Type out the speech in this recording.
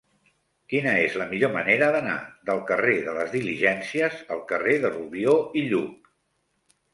Quina és la millor manera d'anar del carrer de les Diligències al carrer de Rubió i Lluch?